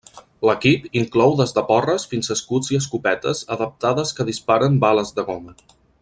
L'equip inclou des de porres fins escuts i escopetes adaptades que disparen bales de goma.